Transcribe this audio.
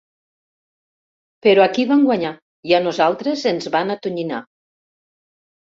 Però aquí van guanyar i a nosaltres ens van atonyinar.